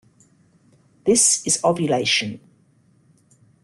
This is ovulation.